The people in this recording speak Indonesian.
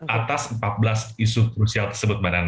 atas empat belas isu krusial tersebut mbak nana